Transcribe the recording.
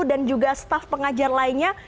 dan juga staff pengajar lainnya